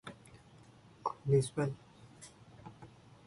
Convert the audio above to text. Lea-Francis built cars under licence for the Singer company.